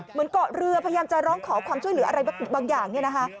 เหมือนเกาะเรือพยายามจะร้องขอความช่วยเหลืออะไรบางอย่างเนี่ยนะคะ